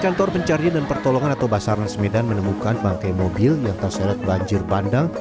kantor pencarian dan pertolongan atau basaran semedan menemukan bangke mobil yang terseret banjir bandang